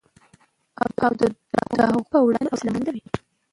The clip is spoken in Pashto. او د هغوی په وړاندې حوصله مند وي